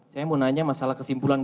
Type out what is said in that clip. saya mau nanya masalah kesimpulan